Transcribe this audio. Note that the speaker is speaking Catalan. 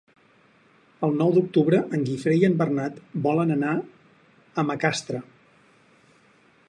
El nou d'octubre en Guifré i en Bernat volen anar a Macastre.